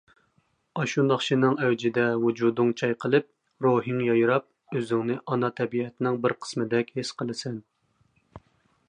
ئاشۇ ناخشىنىڭ ئەۋجىدە ۋۇجۇدۇڭ چايقىلىپ، روھىڭ يايراپ ئۆزۈڭنى ئانا تەبىئەتنىڭ بىر قىسمىدەك ھېس قىلىسەن.